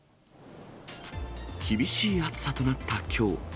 厳しい暑さとなったきょう。